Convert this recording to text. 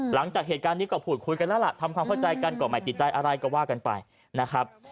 หลังจากเหตุการณ์นี้ก็พูดคุยกันแล้วล่ะทำความเข้าใจกันก็ไม่ติดใจอะไรก็ว่ากันไปนะครับ